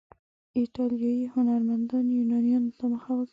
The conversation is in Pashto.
ایټالیایي هنرمندانو یونان ته مخه وکړه.